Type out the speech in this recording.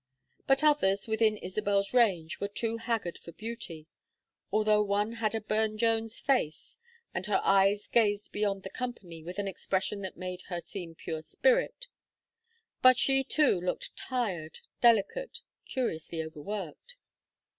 But others within Isabel's range were too haggard for beauty, although one had a Burne Jones face and her eyes gazed beyond the company with an expression that made her seem pure spirit; but she too looked tired, delicate, curiously overworked.